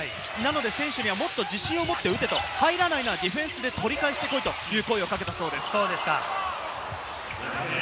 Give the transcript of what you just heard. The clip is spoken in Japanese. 選手にはもっと自信を持って打て、入らないならディフェンスで取り返してこいと声をかけたそうです。